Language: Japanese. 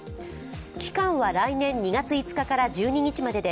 期間は来年２月５日から１２日までで